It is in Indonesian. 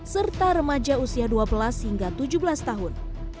serta remaja usia dua belas hingga tujuh belas tahun